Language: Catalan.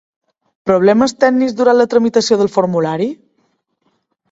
Problemes tècnics durant la tramitació del formulari?